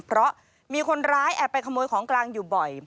เพราะมีคนร้ายแอบไปขโมยของกลางอยู่บ่อย